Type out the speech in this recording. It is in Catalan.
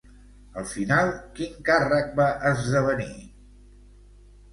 Al final, quin càrrec va esdevenir?